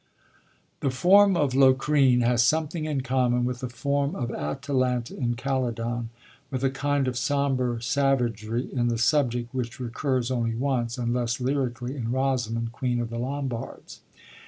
The form of Locrine has something in common with the form of Atalanta in Calydon, with a kind of sombre savagery in the subject which recurs only once, and less lyrically, in Rosamund, Queen of the Lombards.